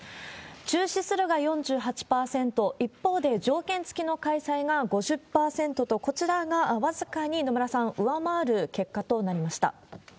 中止するが４８％、一方で、条件付きの開催が５０％と、こちらが僅かに、野村さん、上回る結果となりました。